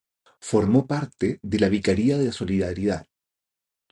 Formó parte de la Vicaría de la Solidaridad.